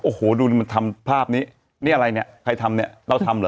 โอ้โหดูนี่มันทำภาพนี้นี่อะไรเนี่ยใครทำเนี่ยเราทำเหรอ